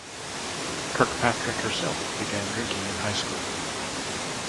Kirkpatrick herself began drinking in high school.